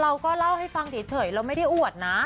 เราก็เล่าให้ฟังเฉยเราไม่ได้อวดนะ